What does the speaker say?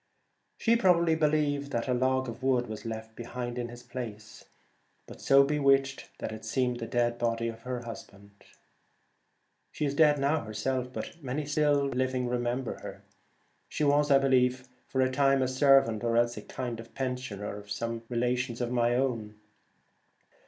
She probably believed that a log 120 of wood was left behind in his place, but Kidnappers. so bewitched that it seemed the dead body of her husband. She is dead now herself, but many still living remember her. She was, I believe, for a time a servant or else a kind of pensioner of some relations of my own.